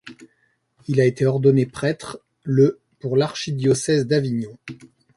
Il a été ordonné prêtre le pour l'archidiocèse d'Avignon.